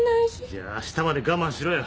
じゃああしたまで我慢しろよ。